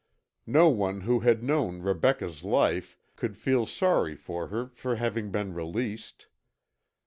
No one who had known Rebecca's life could feel sorry for her for having been released.